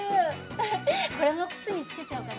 フフッこれも靴に付けちゃおうかな。